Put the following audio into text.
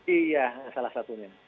iya salah satunya